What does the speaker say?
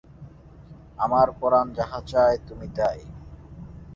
আমার পরাণ যাহা চায়, তুমি তাই।